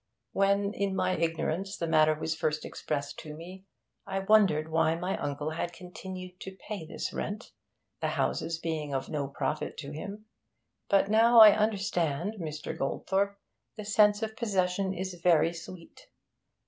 When, in my ignorance, the matter was first explained to me, I wondered why my uncle had continued to pay this rent, the houses being of no profit to him. But now I understand, Mr. Goldthorpe; the sense of possession is very sweet.